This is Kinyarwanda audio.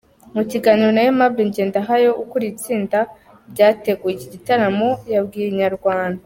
Mu kiganiro na Aimable Ngendahayo ukuriye itsinda ryateguye iki gitaramo, yabwiye Inyarwanda.